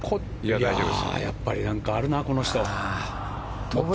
やっぱり、なんかあるなこの人。